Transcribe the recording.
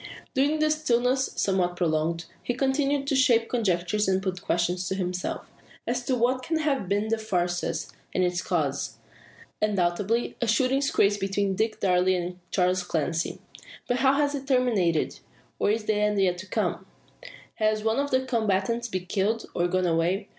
During the stillness, somewhat prolonged, he continues to shape conjectures and put questions to himself, as to what can have been the fracas, and its cause. Undoubtedly a "shooting scrape" between Dick Darke and Charles Clancy. But how has it terminated, or is the end yet come? Has one of the combatants been killed, or gone away?